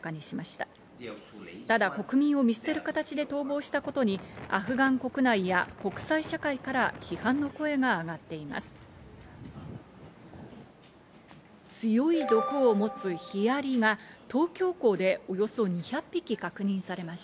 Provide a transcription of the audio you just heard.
ただ、国民を見捨てる形で逃亡したことにアフガン国内や国際社会から批判の声が上がっています。